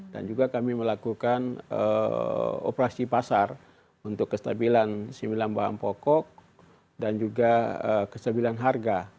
dan juga kami melakukan operasi pasar untuk kestabilan sembilan bahan pokok dan juga kestabilan harga